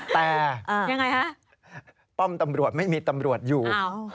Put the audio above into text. แต่ป้อมตำรวจไม่มีตำรวจอยู่